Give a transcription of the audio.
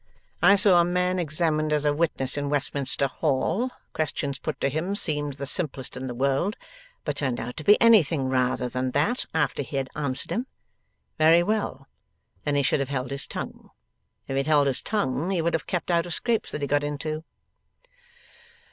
I saw a man examined as a witness in Westminster Hall. Questions put to him seemed the simplest in the world, but turned out to be anything rather than that, after he had answered 'em. Very well. Then he should have held his tongue. If he had held his tongue he would have kept out of scrapes that he got into.